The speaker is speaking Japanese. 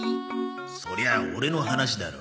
そりゃオレの話だろ。